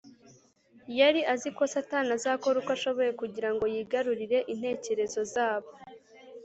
yari azi ko satani azakora uko ashoboye kugira ngo yigarurire intekerezo zabo